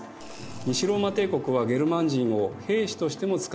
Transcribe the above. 西ローマ帝国はゲルマン人を兵士としても使っていました。